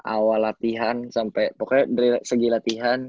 awal latihan sampai pokoknya dari segi latihan